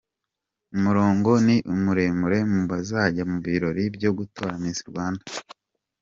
Umurongo ni muremure mu bazajya mu birori byo gutora Miss Rwanda.